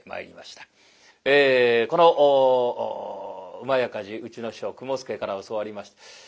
この「火事」うちの師匠雲助から教わりました。